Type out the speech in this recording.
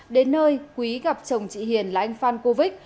đến nơi quý gặp chồng chị hiền là anh phan cô vích